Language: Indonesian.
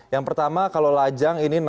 yang pertama kalau lajang ini